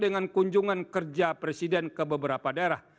dengan kunjungan kerja presiden ke beberapa daerah